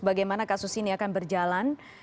bagaimana kasus ini akan berjalan